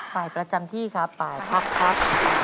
ไปประจำที่ครับไปพักครับ